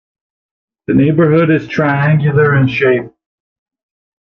The neighbourhood is triangular in shape.